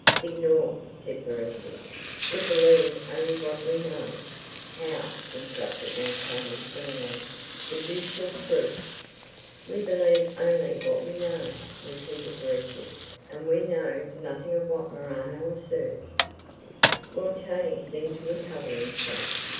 "Signor," said Verezzi, "we believe only what we know."—"How!" interrupted Montoni, sternly: "produce your proof." "We believe only what we know," repeated Verezzi, "and we know nothing of what Morano asserts." Montoni seemed to recover himself.